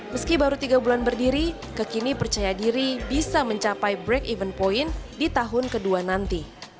meski baru tiga bulan berdiri kekini percaya diri bisa mencapai break even point di tahun kedua nanti